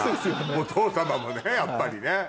お父様もねやっぱりね。